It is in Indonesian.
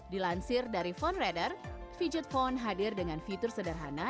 dilansir dari phonereader fidget phone hadir dengan fitur sederhana